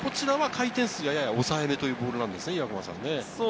回転数は抑えめというボールですね。